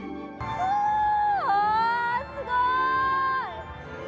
すごーい。